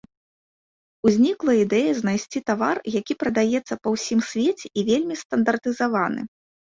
Узнікла ідэя знайсці тавар, які прадаецца па ўсім свеце і вельмі стандартызаваны.